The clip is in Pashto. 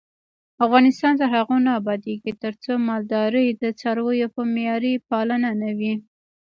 افغانستان تر هغو نه ابادیږي، ترڅو مالداري د څارویو په معیاري پالنه نه وي.